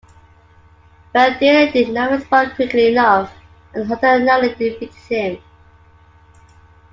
Van Deerlin did not respond quickly enough, and Hunter narrowly defeated him.